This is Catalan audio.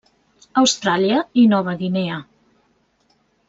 Austràlia i Nova Guinea.